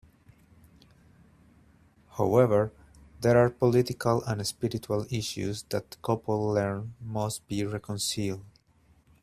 However, there are political and spiritual issues that the couple learn must be reconciled.